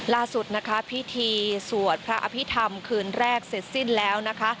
ล่าสุดนะคะพิธีสวดพระอภิษฐรรมคืนแรกเสร็จสิ้นแล้วนะคะ